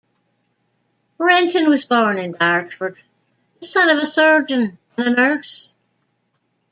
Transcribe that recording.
Renton was born in Dartford, the son of a surgeon and a nurse.